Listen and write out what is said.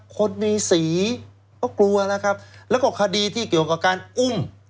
คนมีสีก็กลัวแล้วครับแล้วก็คดีที่เกี่ยวกับการอุ้ม